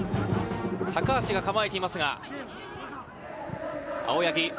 高足が構えていますが、青柳。